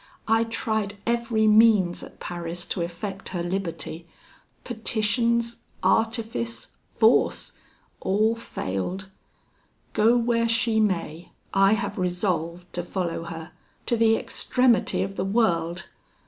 I tried every means at Paris to effect her liberty. Petitions, artifice, force all failed. Go where she may, I have resolved to follow her to the extremity of the world.